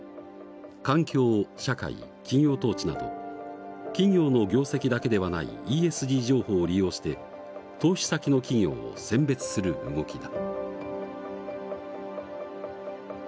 環境社会企業統治など企業の業績だけではないＥＳＧ情報を利用して投資先の企業を選別する動きだ。